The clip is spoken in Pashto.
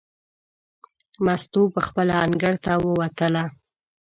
مستو پخپله انګړ ته ووتله.